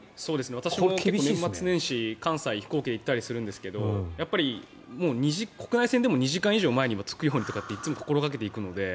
私も年末年始、関西に飛行機で行ったりするんですがやっぱり国内線でも２時間以内に着くようにといつも心掛けていくので。